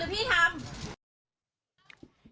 พี่ทำหรอหรือพี่ทำ